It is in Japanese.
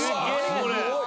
これ。